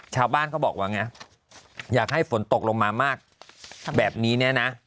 ชาวบ้านเขาบอกว่าไงอยากให้ฝนตกลงมามากแบบนี้เนี่ยนะ